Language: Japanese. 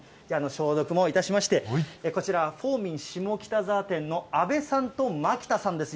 消毒もいたしまして、こちら、フォーミン下北沢店の阿部さんと蒔田さんです。